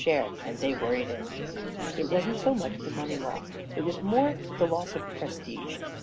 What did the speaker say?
share, and they worried him. It wasn't so much the "money loss ; it was more the loss of prestige.